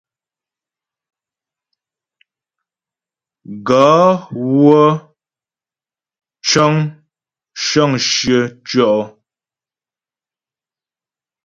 Gaə̂ wə́ cə́ŋ shə́ŋ shyə tyɔ̀.